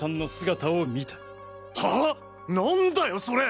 何だよそれ！？